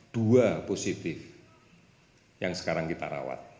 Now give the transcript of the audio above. dua positif yang sekarang kita rawat